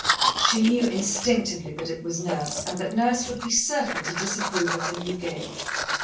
She knew instinctively that it was Nurse, and that Nurse would be certain to disapprove of the new game.